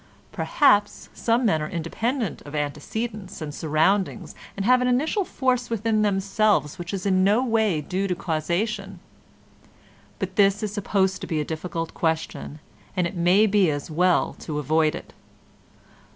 Perhaps some men are independent of antecedents and surroundings and have an initial force within themselves which is in no way due to causation; but this is supposed to be a difficult question and it may be as well to avoid it.